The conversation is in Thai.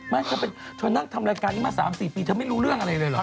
เธอนั่งทำรายการนี้มา๓๔ปีเธอไม่รู้เรื่องอะไรเลยเหรอ